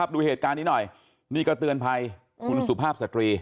ดูเหตุการณ์นี้หน่อยนี่ก็เตือนภัยคุณสุภาพสตรี